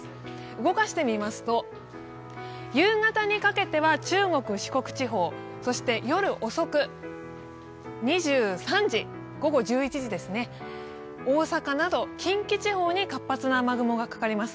動かしてみますと、夕方にかけては中国・四国地方、そして夜遅く２３時、午後１１時ですね、大阪など近畿地方に活発な雨雲がかかります。